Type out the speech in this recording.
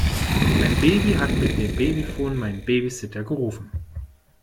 Mein Baby hat mit dem Babyphon meinen Babysitter gerufen.